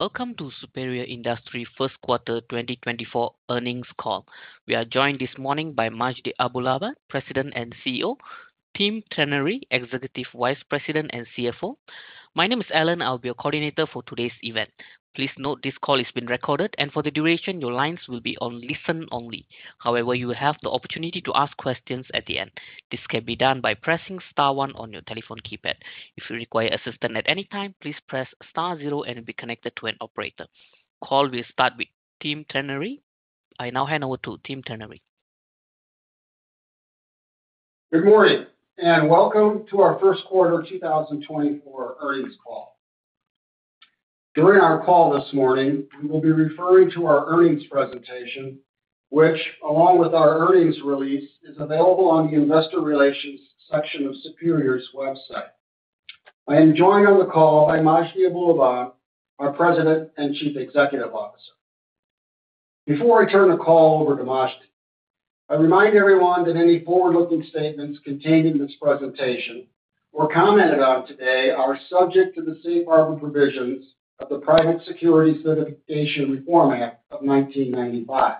Welcome to Superior Industries first quarter 2024 earnings call. We are joined this morning by Majdi Abulaban, President and CEO, Tim Trenary, Executive Vice President and CFO. My name is Alan. I'll be your coordinator for today's event. Please note this call is being recorded, and for the duration, your lines will be on listen only. However, you will have the opportunity to ask questions at the end. This can be done by pressing star one on your telephone keypad. If you require assistance at any time, please press star zero and you'll be connected to an operator. Call will start with Tim Trenary. I now hand over to Tim Trenary. Good morning, and welcome to our first quarter 2024 earnings call. During our call this morning, we will be referring to our earnings presentation, which, along with our earnings release, is available on the investor relations section of Superior's website. I am joined on the call by Majdi Abulaban, our President and Chief Executive Officer. Before I turn the call over to Majdi, I remind everyone that any forward-looking statements contained in this presentation or commented on today are subject to the safe harbor provisions of the Private Securities Litigation Reform Act of 1995.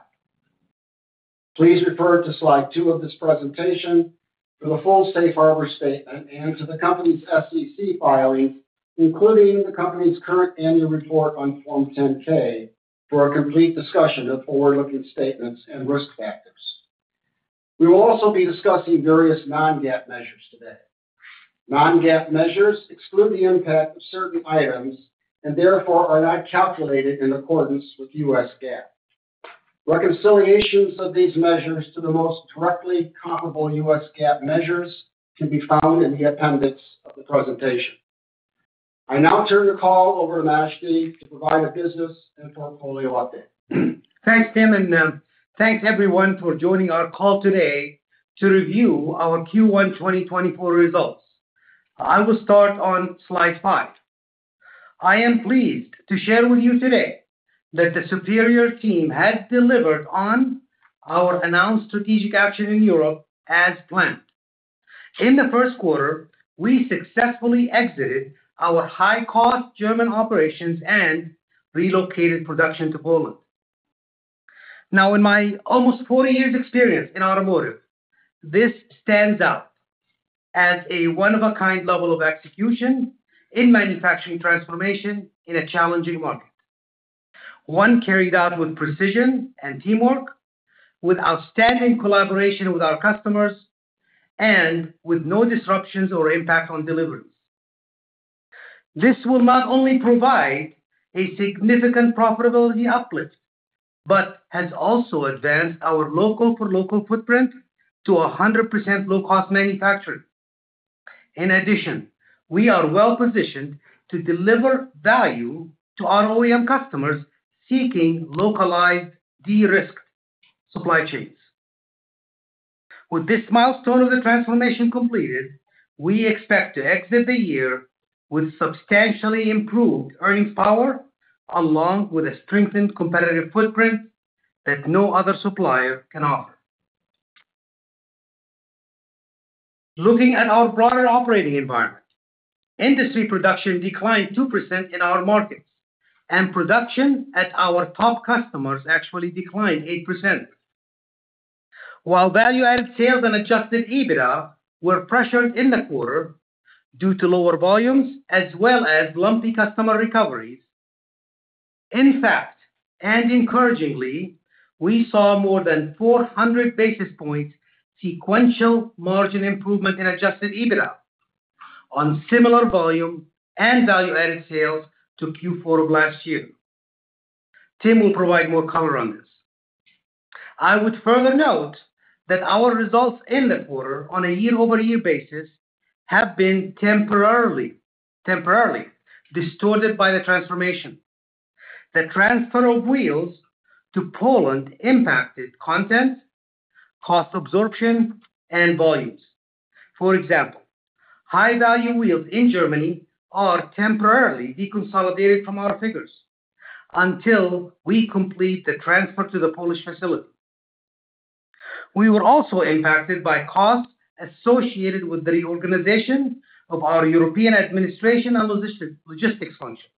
Please refer to slide 2 of this presentation for the full safe harbor statement and to the company's SEC filing, including the company's current annual report on Form 10-K, for a complete discussion of forward-looking statements and risk factors. We will also be discussing various non-GAAP measures today. Non-GAAP measures exclude the impact of certain items and therefore are not calculated in accordance with US GAAP. Reconciliations of these measures to the most directly comparable US GAAP measures can be found in the appendix of the presentation. I now turn the call over to Majdi to provide a business and portfolio update. Thanks, Tim, and thanks, everyone, for joining our call today to review our Q1 2024 results. I will start on slide 5. I am pleased to share with you today that the Superior team has delivered on our announced strategic action in Europe as planned. In the first quarter, we successfully exited our high-cost German operations and relocated production to Poland. Now, in my almost 40 years experience in automotive, this stands out as a one-of-a-kind level of execution in manufacturing transformation in a challenging market. One carried out with precision and teamwork, with outstanding collaboration with our customers, and with no disruptions or impact on deliveries. This will not only provide a significant profitability uplift, but has also advanced our Local-for-Local footprint footprint to a 100% low-cost manufacturing. In addition, we are well positioned to deliver value to our OEM customers seeking localized de-risk supply chains. With this milestone of the transformation completed, we expect to exit the year with substantially improved earnings power, along with a strengthened competitive footprint that no other supplier can offer. Looking at our broader operating environment, industry production declined 2% in our markets, and production at our top customers actually declined 8%. While value-added sales and Adjusted EBITDA were pressured in the quarter due to lower volumes as well as lumpy customer recoveries, in fact, and encouragingly, we saw more than 400 basis points sequential margin improvement in Adjusted EBITDA on similar volume and value-added sales to Q4 of last year. Tim will provide more color on this. I would further note that our results in the quarter on a year-over-year basis have been temporarily distorted by the transformation. The transfer of wheels to Poland impacted content, cost absorption, and volumes. For example, high-value wheels in Germany are temporarily deconsolidated from our figures until we complete the transfer to the Polish facility. We were also impacted by costs associated with the reorganization of our European administration and logistics functions.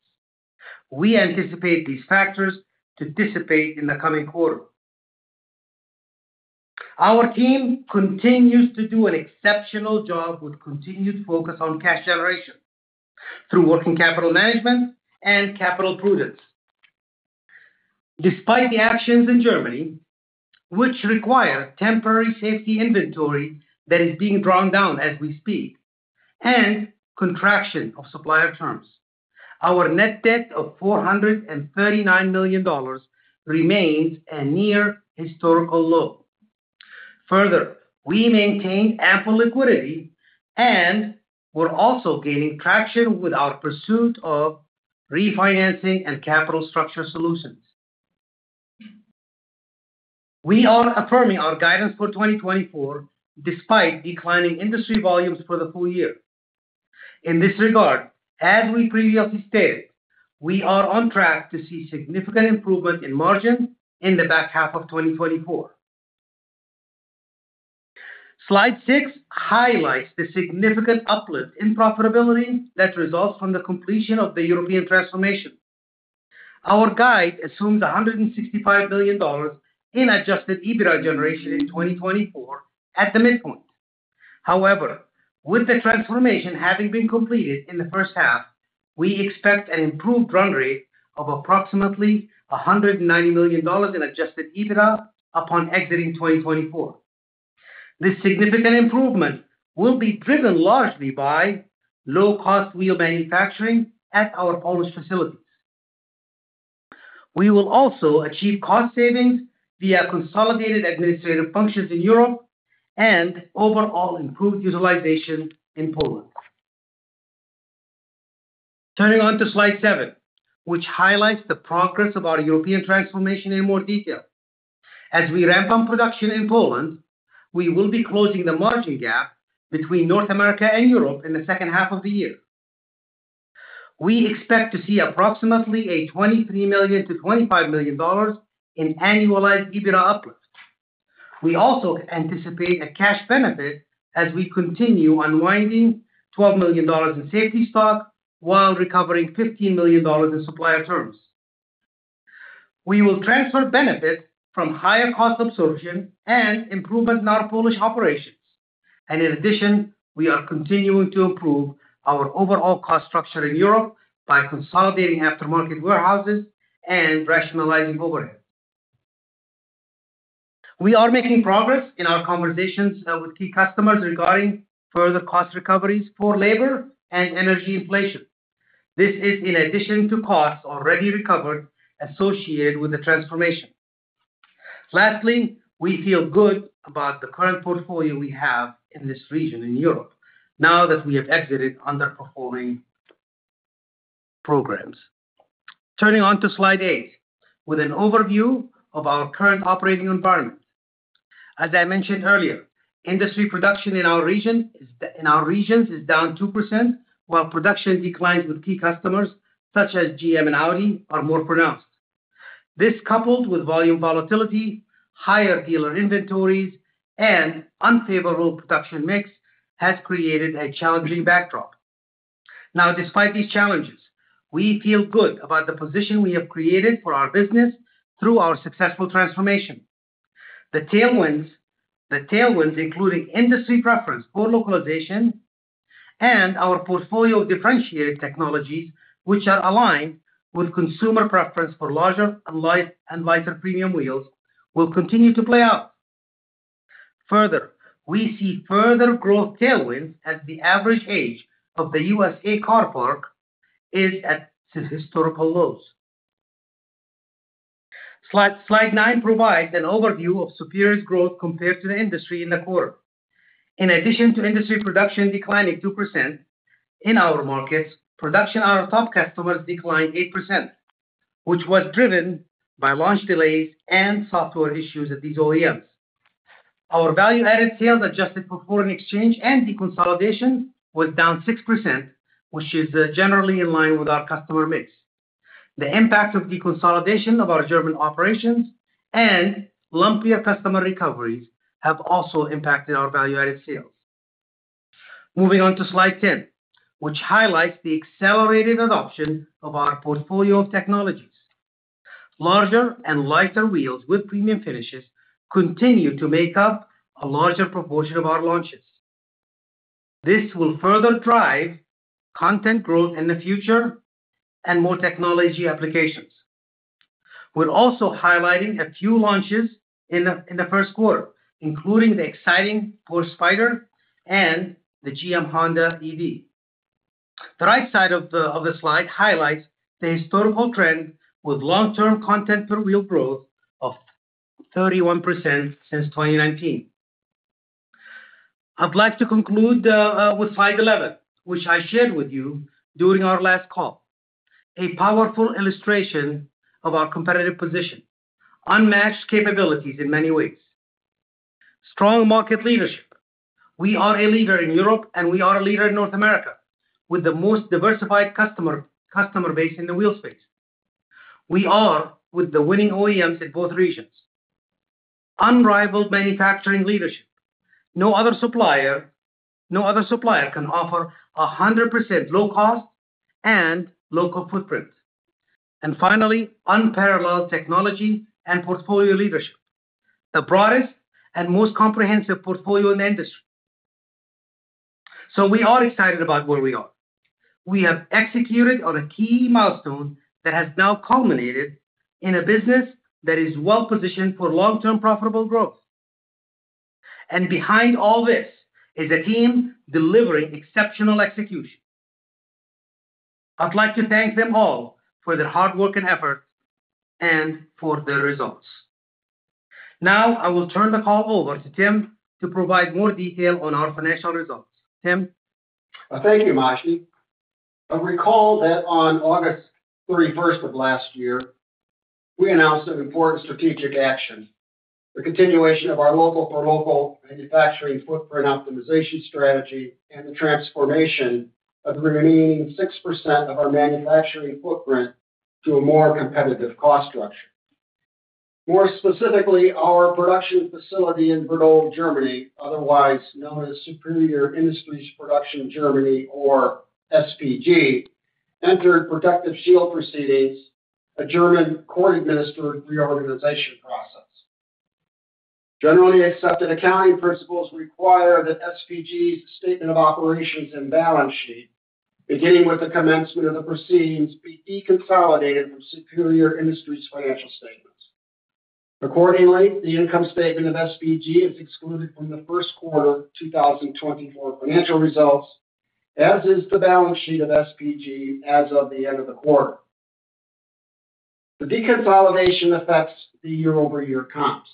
We anticipate these factors to dissipate in the coming quarter. Our team continues to do an exceptional job with continued focus on cash generation through working capital management and capital prudence. Despite the actions in Germany, which require temporary safety inventory that is being drawn down as we speak, and contraction of supplier terms, our net debt of $439 million remains a near historical low. Further, we maintained ample liquidity and we're also gaining traction with our pursuit of refinancing and capital structure solutions. We are affirming our guidance for 2024 despite declining industry volumes for the full year. In this regard, as we previously stated, we are on track to see significant improvement in margins in the back half of 2024. Slide 6 highlights the significant uplift in profitability that results from the completion of the European transformation. Our guide assumes $165 billion in Adjusted EBITDA generation in 2024 at the midpoint. However, with the transformation having been completed in the first half, we expect an improved run rate of approximately $190 million in Adjusted EBITDA upon exiting 2024. This significant improvement will be driven largely by low-cost wheel manufacturing at our Polish facilities. We will also achieve cost savings via consolidated administrative functions in Europe and overall improved utilization in Poland. Turning on to slide 7, which highlights the progress of our European transformation in more detail. As we ramp up production in Poland, we will be closing the margin gap between North America and Europe in the second half of the year. We expect to see approximately a $23 million-$25 million in annualized EBITDA uplift. We also anticipate a cash benefit as we continue unwinding $12 million in safety stock, while recovering $15 million in supplier terms. We will transfer benefits from higher cost absorption and improvement in our Polish operations. In addition, we are continuing to improve our overall cost structure in Europe by consolidating aftermarket warehouses and rationalizing overhead. We are making progress in our conversations with key customers regarding further cost recoveries for labor and energy inflation. This is in addition to costs already recovered, associated with the transformation. Lastly, we feel good about the current portfolio we have in this region, in Europe, now that we have exited underperforming programs. Turning on to slide eight, with an overview of our current operating environment. As I mentioned earlier, industry production in our regions is down 2%, while production declines with key customers such as GM and Audi are more pronounced. This, coupled with volume volatility, higher dealer inventories, and unfavorable production mix, has created a challenging backdrop. Now, despite these challenges, we feel good about the position we have created for our business through our successful transformation. The tailwinds, including industry preference for localization and our portfolio of differentiated technologies, which are aligned with consumer preference for larger and light- and lighter premium wheels, will continue to play out. Further, we see further growth tailwinds as the average age of the USA car park is at historical lows. Slide nine provides an overview of Superior's growth compared to the industry in the quarter. In addition to industry production declining 2% in our markets, production in our top customers declined 8%, which was driven by launch delays and software issues at these OEMs. Our value-added sales adjusted for foreign exchange and deconsolidation was down 6%, which is generally in line with our customer mix. The impact of deconsolidation of our German operations and lumpier customer recoveries have also impacted our value-added sales. Moving on to slide 10, which highlights the accelerated adoption of our portfolio of technologies. Larger and lighter wheels with premium finishes continue to make up a larger proportion of our launches. This will further drive content growth in the future and more technology applications. We're also highlighting a few launches in the first quarter, including the exciting Porsche Spyder and the GM Honda EV. The right side of the slide highlights the historical trend, with long-term content per wheel growth of 31% since 2019. I'd like to conclude with slide 11, which I shared with you during our last call. A powerful illustration of our competitive position, unmatched capabilities in many ways. Strong market leadership. We are a leader in Europe, and we are a leader in North America, with the most diversified customer base in the wheel space. We are with the winning OEMs in both regions. Unrivaled manufacturing leadership. No other supplier, no other supplier can offer 100% low cost and local footprints. And finally, unparalleled technology and portfolio leadership, the broadest and most comprehensive portfolio in the industry. So we are excited about where we are. We have executed on a key milestone that has now culminated in a business that is well positioned for long-term profitable growth. And behind all this is a team delivering exceptional execution. I'd like to thank them all for their hard work and effort and for their results. Now, I will turn the call over to Tim to provide more detail on our financial results. Tim? Thank you, Majdi. You'll recall that on August 31st of last year, we announced an important strategic action, the continuation of our local-for-local manufacturing footprint optimization strategy and the transformation of the remaining 6% of our manufacturing footprint to a more competitive cost structure. More specifically, our production facility in Berlin, Germany, otherwise known as Superior Industries Production Germany, or SPG, entered protective shield proceedings, a German court-administered reorganization process. Generally accepted accounting principles require that SPG's statement of operations and balance sheet, beginning with the commencement of the proceedings, be deconsolidated from Superior Industries financial statements. Accordingly, the income statement of SPG is excluded from the first quarter 2024 financial results, as is the balance sheet of SPG as of the end of the quarter. The deconsolidation affects the year-over-year comps.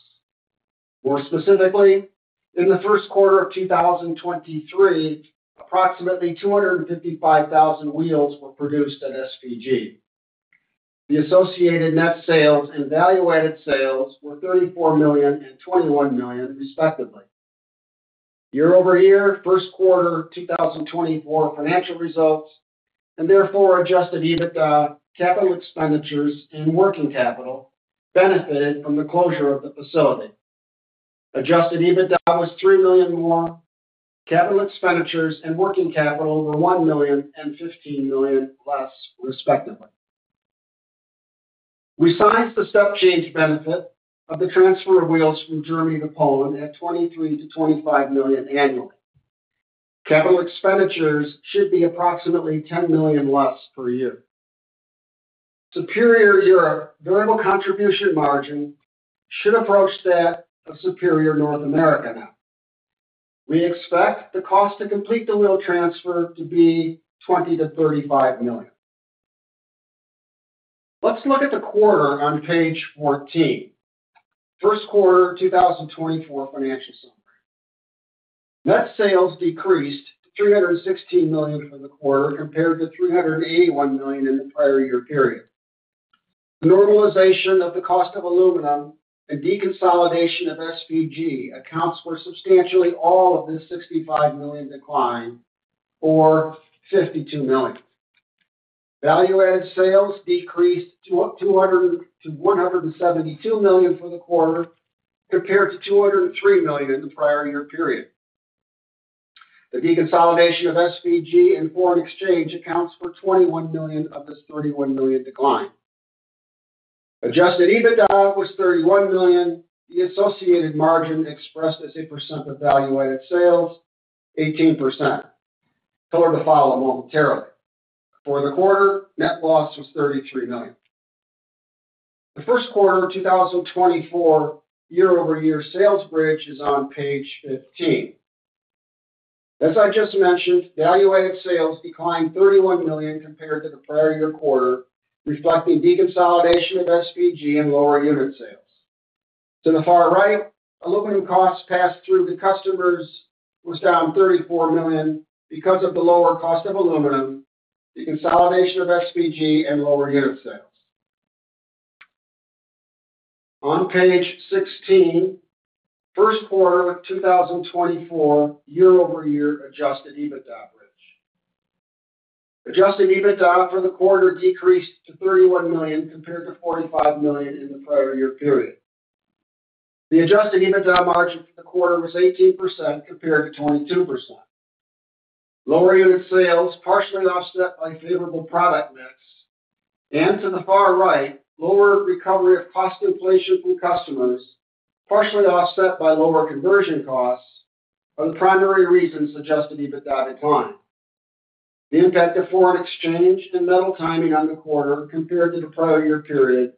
More specifically, in the first quarter of 2023, approximately 255,000 wheels were produced at SPG. The associated net sales and value-added sales were $34 million and $21 million, respectively. Year-over-year, first quarter 2024 financial results, and therefore Adjusted EBITDA, capital expenditures, and working capital benefited from the closure of the facility. Adjusted EBITDA was $3 million more. Capital expenditures and working capital were $1 million and $15 million less, respectively. We sized the step change benefit of the transfer of wheels from Germany to Poland at $23 million-$25 million annually. Capital expenditures should be approximately $10 million less per year. Superior Europe variable contribution margin should approach that of Superior North America now. We expect the cost to complete the wheel transfer to be $20 million-$35 million. Let's look at the quarter on page 14. First quarter 2024 financial summary. Net sales decreased to $316 million for the quarter, compared to $381 million in the prior year period. Normalization of the cost of aluminum and deconsolidation of SPG accounts for substantially all of this $65 million decline, or $52 million. Value-added sales decreased to $172 million for the quarter, compared to $203 million in the prior year period. The deconsolidation of SPG and foreign exchange accounts for $21 million of this $31 million decline. Adjusted EBITDA was $31 million. The associated margin, expressed as a percent of value-added sales, 18%. Color to follow momentarily. For the quarter, net loss was $33 million. The first quarter of 2024 year-over-year sales bridge is on page 15. As I just mentioned, value-added sales declined $31 million compared to the prior year quarter, reflecting deconsolidation of SPG and lower unit sales. To the far right, aluminum costs passed through to customers was down $34 million because of the lower cost of aluminum, the consolidation of SPG, and lower unit sales. On page 16, first quarter of 2024 year-over-year Adjusted EBITDA bridge. Adjusted EBITDA for the quarter decreased to $31 million, compared to $45 million in the prior year period. The Adjusted EBITDA margin for the quarter was 18%, compared to 22%. Lower unit sales, partially offset by favorable product mix, and to the far right, lower recovery of cost inflation from customers, partially offset by lower conversion costs, are the primary reasons Adjusted EBITDA declined. The impact of foreign exchange and metal timing on the quarter compared to the prior year period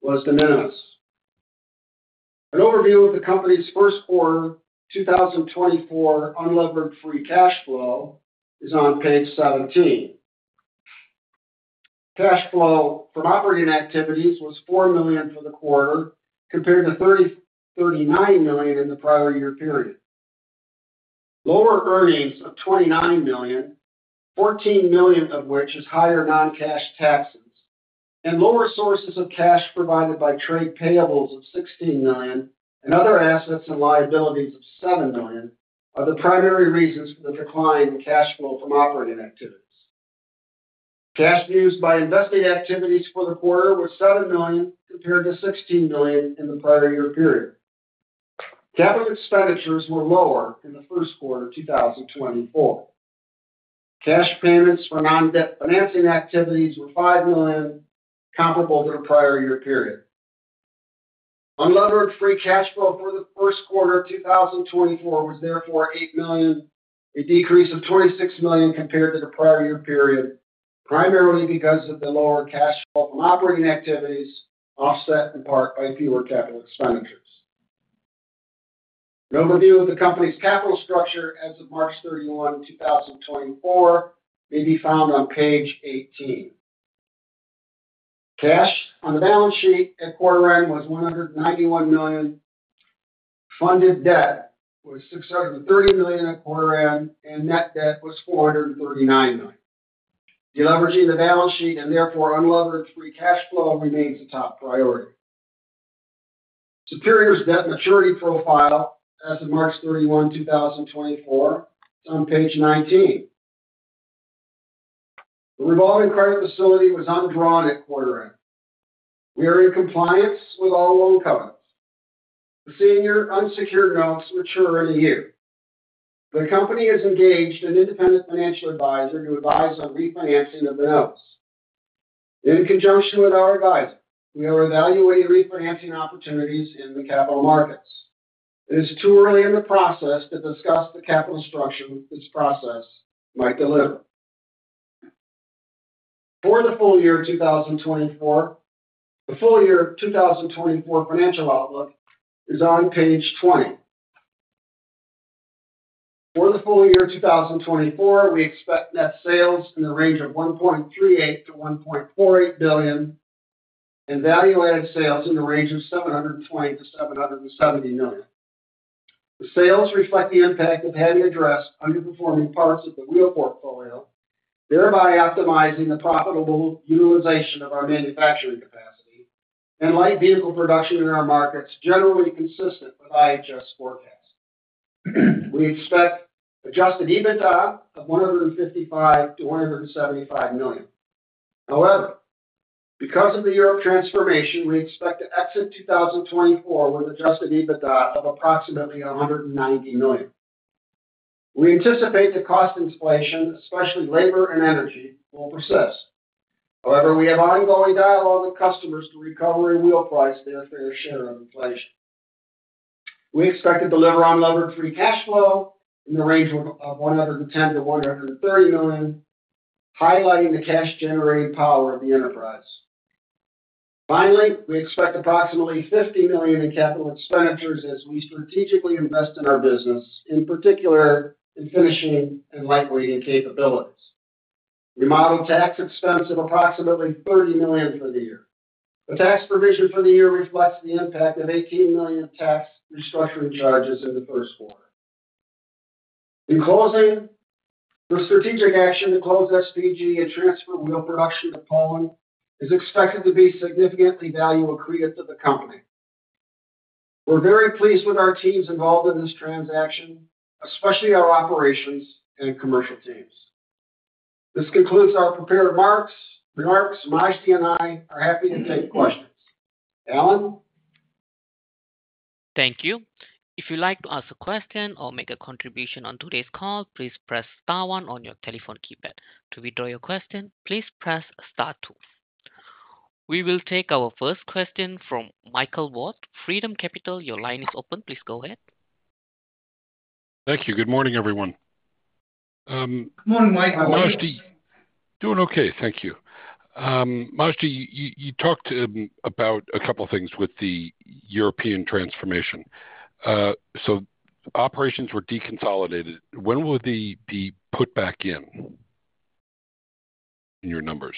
was de minimis. An overview of the company's first quarter 2024 unlevered free cash flow is on page 17. Cash flow from operating activities was $4 million for the quarter, compared to $39 million in the prior year period. Lower earnings of $29 million, $14 million of which is higher non-cash taxes, and lower sources of cash provided by trade payables of $16 million and other assets and liabilities of $7 million, are the primary reasons for the decline in cash flow from operating activities. Cash used by investing activities for the quarter was $7 million, compared to $16 million in the prior year period. Capital expenditures were lower in the first quarter 2024. Cash payments for non-debt financing activities were $5 million, comparable to the prior year period. Unlevered free cash flow for the first quarter of 2024 was therefore $8 million, a decrease of $26 million compared to the prior year period, primarily because of the lower cash flow from operating activities, offset in part by fewer capital expenditures. An overview of the company's capital structure as of March 31, 2024, may be found on page 18. Cash on the balance sheet at quarter end was $191 million. Funded debt was $630 million at quarter end, and net debt was $439 million. Deleveraging the balance sheet and therefore unlevered free cash flow remains a top priority. Superior's debt maturity profile as of March 31, 2024, is on page 19. The revolving credit facility was undrawn at quarter end. We are in compliance with all loan covenants. The senior unsecured notes mature in a year. The company has engaged an independent financial advisor to advise on refinancing of the notes. In conjunction with our advisor, we are evaluating refinancing opportunities in the capital markets. It is too early in the process to discuss the capital structure this process might deliver. For the full year 2024, the full year 2024 financial outlook is on page 20. For the full year 2024, we expect net sales in the range of $1.38 billion-$1.48 billion and value-added sales in the range of $720 million-$770 million. The sales reflect the impact of having addressed underperforming parts of the wheel portfolio, thereby optimizing the profitable utilization of our manufacturing capacity and light vehicle production in our markets, generally consistent with IHS forecasts. We expect Adjusted EBITDA of $155 million-$175 million. However, because of the Europe transformation, we expect to exit 2024 with Adjusted EBITDA of approximately $190 million. We anticipate the cost inflation, especially labor and energy, will persist. However, we have ongoing dialogue with customers to recover in wheel price their fair share of inflation. We expect to deliver on levered free cash flow in the range of one hundred and ten to one hundred and thirty million, highlighting the cash-generating power of the enterprise. Finally, we expect approximately $50 million in capital expenditures as we strategically invest in our business, in particular in finishing and lightweighting capabilities. We modeled tax expense of approximately $30 million for the year. The tax provision for the year reflects the impact of $18 million tax restructuring charges in the first quarter. In closing, the strategic action to close SPG and transfer wheel production to Poland is expected to be significantly value accretive to the company. We're very pleased with our teams involved in this transaction, especially our operations and commercial teams. This concludes our prepared remarks. Majdi and I are happy to take questions. Alan? Thank you. If you'd like to ask a question or make a contribution on today's call, please press star one on your telephone keypad. To withdraw your question, please press star two. We will take our first question from Michael Ward, Freedom Capital. Your line is open. Please go ahead. Thank you. Good morning, everyone. Good morning, Mike. Majdi. Doing okay. Thank you. Majdi, you talked about a couple of things with the European transformation. So operations were deconsolidated. When will they be put back in, in your numbers?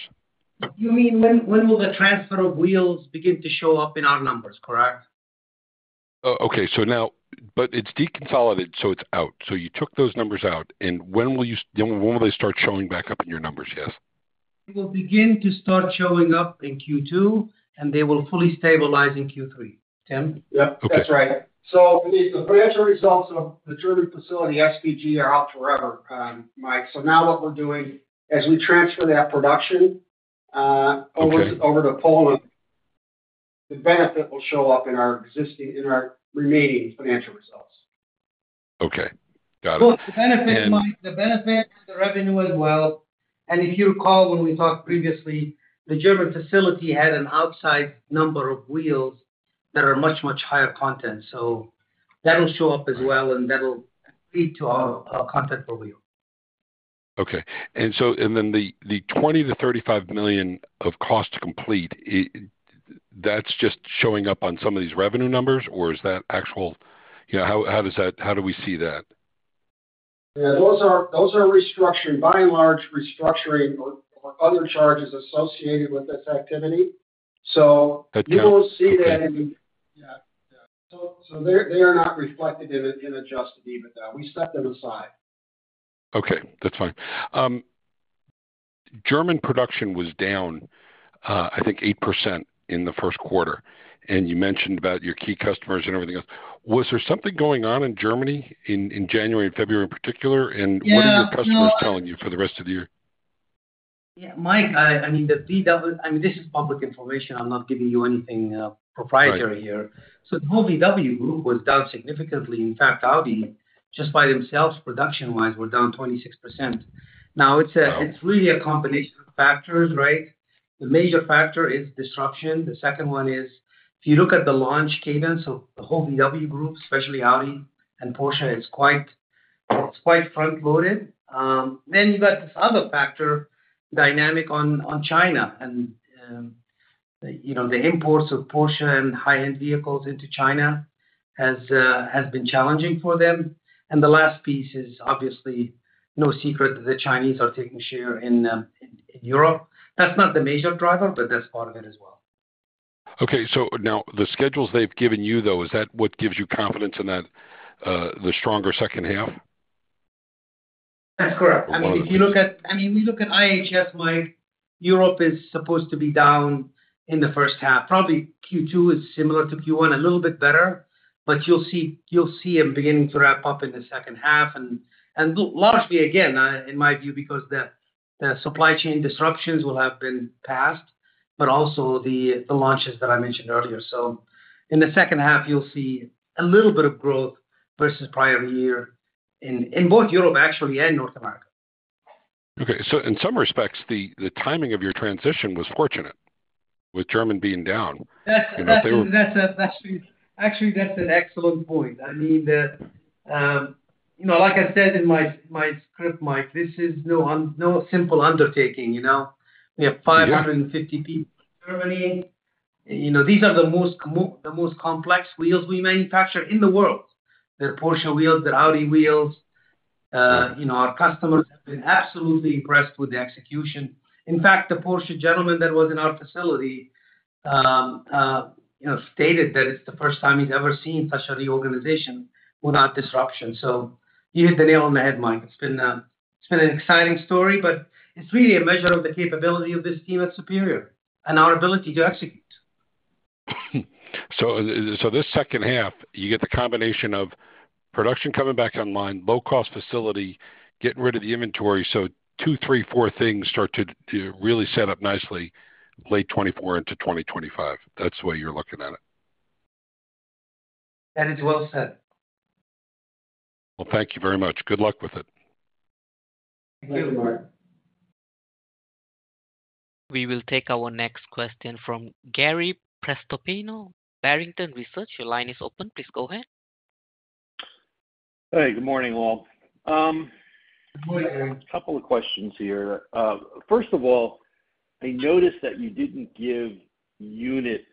You mean when will the transfer of wheels begin to show up in our numbers, correct? Okay. So now, but it's deconsolidated, so it's out. So you took those numbers out, and when will you—when will they start showing back up in your numbers? Yes. They will begin to start showing up in Q2, and they will fully stabilize in Q3. Tim? Yep, that's right. Okay. So the financial results of the German facility, SPG, are out forever, Mike. So now what we're doing, as we transfer that production, Okay. over to Poland, the benefit will show up in our existing, in our remaining financial results. Okay, got it. Well, the benefit, Mike, the benefit, the revenue as well. And if you recall, when we talked previously, the German facility had an outsized number of wheels that are much, much higher content, so that'll show up as well, and that'll lead to our, our content per wheel. Okay. And so, and then the $20 million-$35 million of cost to complete – that's just showing up on some of these revenue numbers, or is that actual? You know, how does that – how do we see that? Yeah, those are restructuring. By and large, restructuring or other charges associated with this activity. Okay. So you will see that in. Yeah. Yeah. So they're not reflected in Adjusted EBITDA. We set them aside. Okay, that's fine. German production was down, I think 8% in the first quarter, and you mentioned about your key customers and everything else. Was there something going on in Germany in January and February in particular, and- Yeah, no- What are your customers telling you for the rest of the year? Yeah, Mike, I mean, the VW, I mean, this is public information. I'm not giving you anything, proprietary here. Right. So the whole VW Group was down significantly. In fact, Audi, just by themselves, production-wise, were down 26%. Wow. Now, it's really a combination of factors, right? The major factor is disruption. The second one is, if you look at the launch cadence of the whole VW group, especially Audi and Porsche, it's quite front-loaded. Then you've got this other factor, dynamic on China and, you know, the imports of Porsche and high-end vehicles into China has been challenging for them. And the last piece is obviously no secret that the Chinese are taking share in Europe. That's not the major driver, but that's part of it as well. Okay, so now the schedules they've given you, though, is that what gives you confidence in that, the stronger second half? That's correct. Well- I mean, we look at IHS, Mike. Europe is supposed to be down in the first half. Probably Q2 is similar to Q1, a little bit better, but you'll see, you'll see them beginning to wrap up in the second half. And largely, again, in my view, because the supply chain disruptions will have been passed, but also the launches that I mentioned earlier. So in the second half, you'll see a little bit of growth versus prior year in both Europe, actually, and North America. Okay, so in some respects, the timing of your transition was fortunate, with Germany being down. That's actually an excellent point. I mean, you know, like I said in my script, Mike, this is no simple undertaking, you know? Yeah. We have 550 people in Germany. You know, these are the most complex wheels we manufacture in the world. They're Porsche wheels, they're Audi wheels. You know, our customers have been absolutely impressed with the execution. In fact, the Porsche gentleman that was in our facility, you know, stated that it's the first time he's ever seen such a reorganization without disruption. So you hit the nail on the head, Mike. It's been, it's been an exciting story, but it's really a measure of the capability of this team at Superior and our ability to execute. So this second half, you get the combination of production coming back online, low-cost facility, getting rid of the inventory. 2, 3, 4 things start to really set up nicely late 2024 into 2025. That's the way you're looking at it. That is well said. Well, thank you very much. Good luck with it. Thank you, Mike. We will take our next question from Gary Prestopino, Barrington Research. Your line is open. Please go ahead. Hey, good morning, all. A couple of questions here. First of all, I noticed that you didn't give units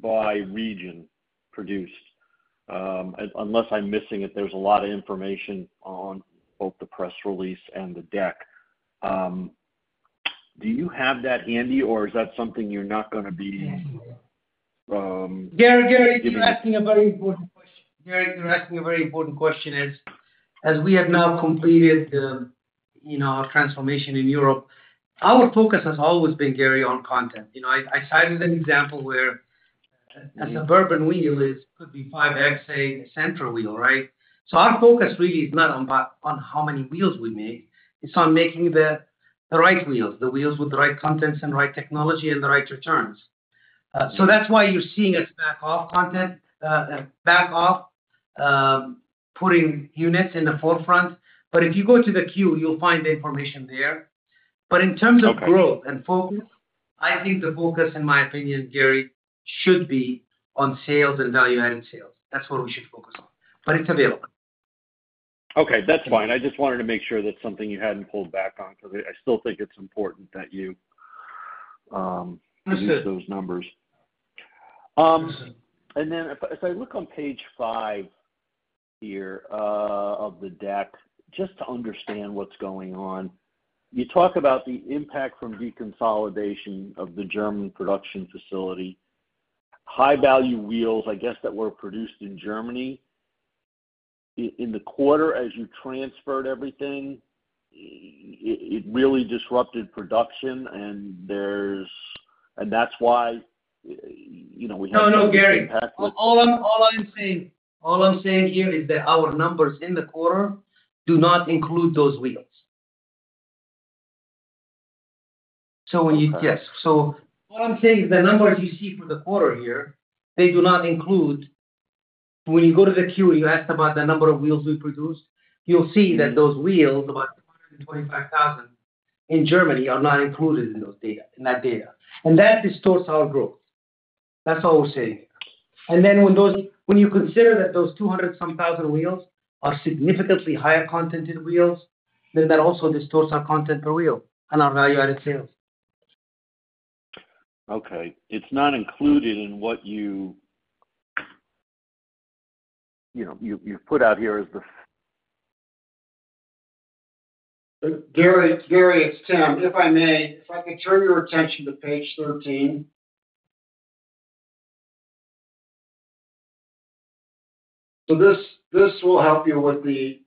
by region produced. Unless I'm missing it, there's a lot of information on both the press release and the deck. Do you have that handy, or is that something you're not gonna be giving? Gary, Gary, you're asking a very important question. Gary, you're asking a very important question is, as we have now completed the, you know, our transformation in Europe, our focus has always been, Gary, on content. You know, I, I cited an example where a suburban wheel is, could be 5x, say, a central wheel, right? So our focus really is not on on how many wheels we make. It's on making the right wheels, the wheels with the right contents and right technology and the right returns. So that's why you're seeing us back off content, back off putting units in the forefront. But if you go to the queue, you'll find the information there. Okay. In terms of growth and focus, I think the focus, in my opinion, Gary, should be on sales and value-added sales. That's what we should focus on, but it's available. Okay, that's fine. I just wanted to make sure that's something you hadn't pulled back on, because I still think it's important that you Understood... use those numbers. And then if I look on page 5 here, of the deck, just to understand what's going on, you talk about the impact from deconsolidation of the German production facility. High-value wheels, I guess, that were produced in Germany in the quarter as you transferred everything, it really disrupted production and that's why, you know, we have- No, no, Gary. All I'm, all I'm saying, all I'm saying here is that our numbers in the quarter do not include those wheels. So when you... Yes. Okay. So what I'm saying is the numbers you see for the quarter here, they do not include—when you go to the Q, you asked about the number of wheels we produced. You'll see that those wheels, about 225,000 in Germany, are not included in those data, in that data. That distorts our growth. That's all we're saying. Then when you consider that those 200-some thousand wheels are significantly higher content in wheels, that also distorts our content per wheel and our value-added sales. Okay. It's not included in what you, you know, put out here as the- Gary, Gary, it's Tim. If I may, if I could turn your attention to page 13. So this will help you with the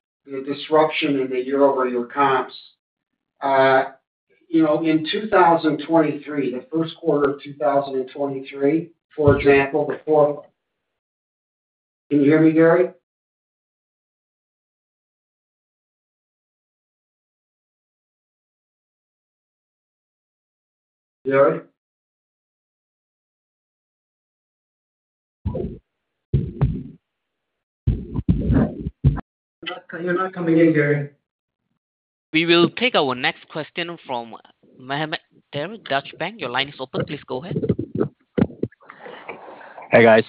disruption in the year-over-year comps. You know, in 2023, the first quarter of 2023, for example, the quarter... Can you hear me, Gary? Gary? You're not coming in, Gary. We will take our next question from Mohammed Ter, Deutsche Bank. Your line is open. Please go ahead. Hey, guys.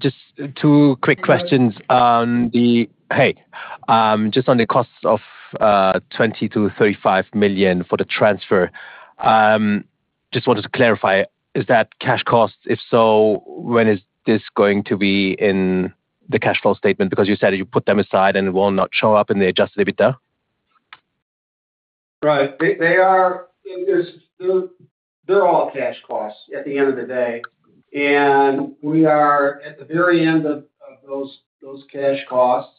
Just on the costs of $20 million-$35 million for the transfer, just wanted to clarify, is that cash costs? If so, when is this going to be in the cash flow statement? Because you said you put them aside and it will not show up in the Adjusted EBITDA. Right. They are all cash costs at the end of the day, and we are at the very end of those cash costs.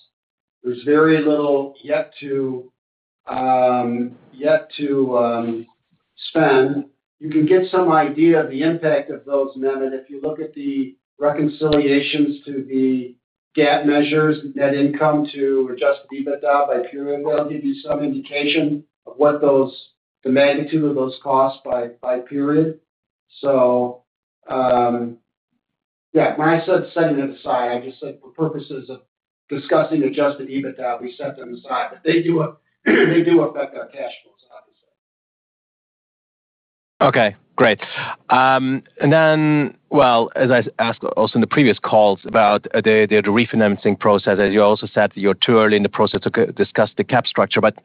...There's very little yet to spend. You can get some idea of the impact of those now that if you look at the reconciliations to the GAAP measures, the net income to Adjusted EBITDA by period, they'll give you some indication of what those, the magnitude of those costs by period. So, yeah, when I said setting it aside, I just said for purposes of discussing Adjusted EBITDA, we set them aside, but they do affect our cash flows, obviously. Okay, great. And then, well, as I asked also in the previous calls about the refinancing process, as you also said, you're too early in the process to discuss the capital structure. But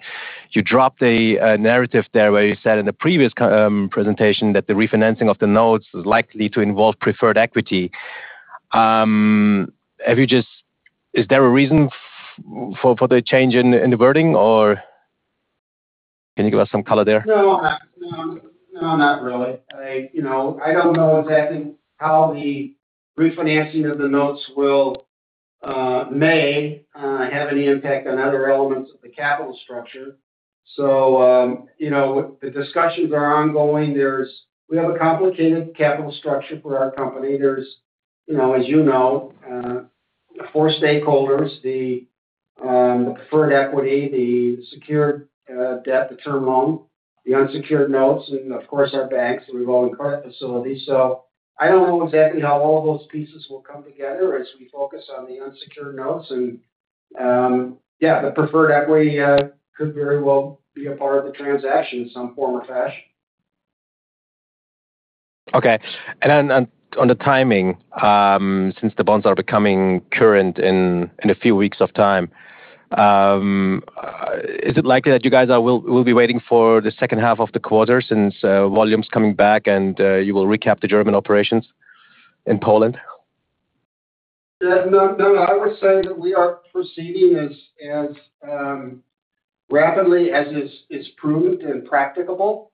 you dropped a narrative there where you said in the previous presentation that the refinancing of the notes is likely to involve preferred equity. Have you just? Is there a reason for the change in the wording, or can you give us some color there? No, no. No, not really. I, you know, I don't know exactly how the refinancing of the notes may have any impact on other elements of the capital structure. So, you know, the discussions are ongoing. We have a complicated capital structure for our company. There's, you know, as you know, four stakeholders, the preferred equity, the secured debt, the term loan, the unsecured notes, and of course, our banks, we've all in current facilities. So I don't know exactly how all of those pieces will come together as we focus on the unsecured notes. And, yeah, the preferred equity could very well be a part of the transaction in some form or fashion. Okay. And then on the timing, since the bonds are becoming current in a few weeks of time, is it likely that you guys will be waiting for the second half of the quarter since volume's coming back and you will recap the German operations in Poland? Yeah. No, no, I would say that we are proceeding as rapidly as is prudent and practicable,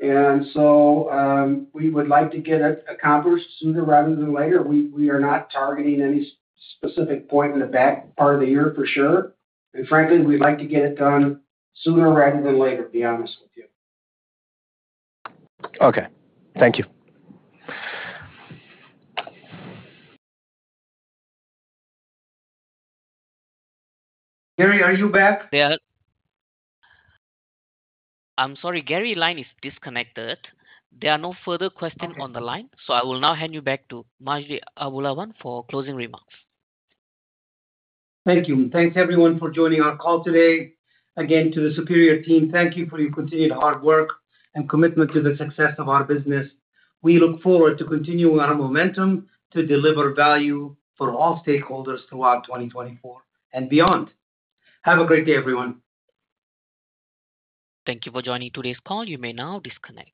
and so we would like to get it accomplished sooner rather than later. We are not targeting any specific point in the back part of the year, for sure. And frankly, we'd like to get it done sooner rather than later, to be honest with you. Okay. Thank you. Gary, are you back? Yeah. I'm sorry, Gary's line is disconnected. There are no further questions- Okay. -on the line, so I will now hand you back to Majdi Abulaban for closing remarks. Thank you. Thanks, everyone, for joining our call today. Again, to the Superior team, thank you for your continued hard work and commitment to the success of our business. We look forward to continuing our momentum to deliver value for all stakeholders throughout 2024 and beyond. Have a great day, everyone. Thank you for joining today's call. You may now disconnect.